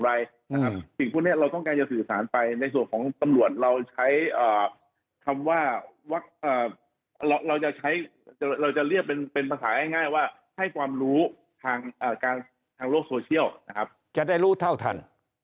รู้ทางโลกโซเชียลจะได้รู้เท่าทัน